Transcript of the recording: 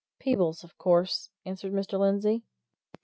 "Peebles, of course," answered Mr. Lindsey.